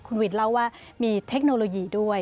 คุณวินเล่าว่ามีเทคโนโลยีด้วย